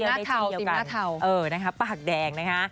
ทีมหน้าเทาทีมหน้าเทาเออนะครับปากแดงนะคะ